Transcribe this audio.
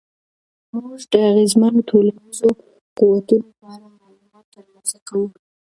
موږ د اغېزمنو ټولنیزو قوتونو په اړه معلومات ترلاسه کوو.